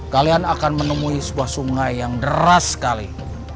kalian akan menemui sebuah sungai yang deras sekali